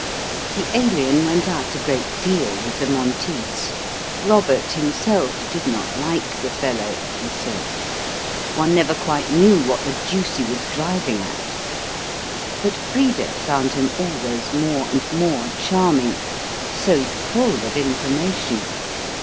The Alien went out a great deal with the Monteiths. Robert himself did not like the fellow, he said: one never quite knew what the deuce he was driving at; but Frida found him always more and more charming, so full of information!